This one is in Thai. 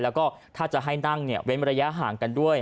แล้วก็ถ้าจะให้นั่งเว้นระยะห่างกันด้วย